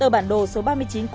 ủy ban nhân dân huyện vĩnh kiểu